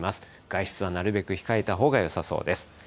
外出はなるべく控えたほうがよさそうです。